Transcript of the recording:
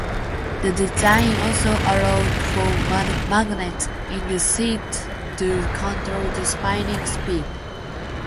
The design also allowed for magnets in the seats to control the spinning speed.